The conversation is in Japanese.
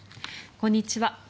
こんにちは。